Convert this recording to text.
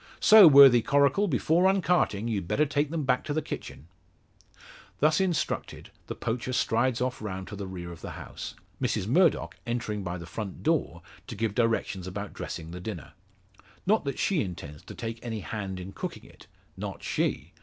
So, worthy Coracle, before uncarting, you'd better take them back to the kitchen." Thus instructed, the poacher strides off round to the rear of the house; Mrs Murdock entering by the front door to give directions about dressing the dinner. Not that she intends to take any hand in cooking it not she.